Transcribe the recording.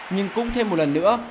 nhưng cũng thêm một lần nữa